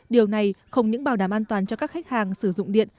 điều này không những bảo đảm an toàn cho các khách hàng sử dụng điện